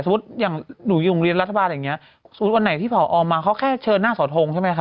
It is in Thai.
อย่างหนูอยู่โรงเรียนรัฐบาลอย่างนี้สมมุติวันไหนที่ผอมาเขาแค่เชิญหน้าสอทงใช่ไหมคะ